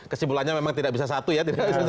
kesimpulannya memang tidak bisa satu ya